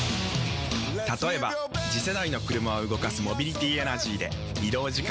例えば次世代の車を動かすモビリティエナジーでまジカ⁉人間！